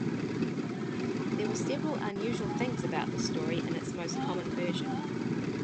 There were several unusual things about the story in its most common version.